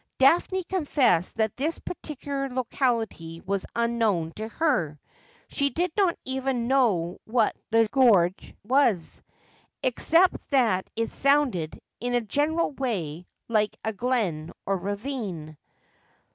Daphne confessed that this particular locality was unknown to her. She did not even know what the Gorge was, except that it sounded, in a general way, like a glen or ravine.